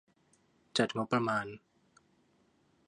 จัดงบประมาณ